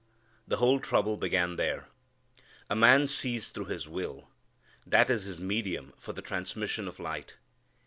The whole trouble began there. A man sees through his will. That is his medium for the transmission of light.